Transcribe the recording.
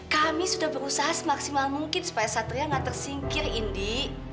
kami sudah berusaha semaksimal mungkin supaya satria nggak tersingkir indi